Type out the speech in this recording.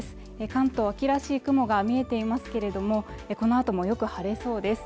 関東秋らしい雲が見えていますけれどもこのあともよく晴れそうです